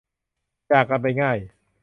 จากกันไปง่าย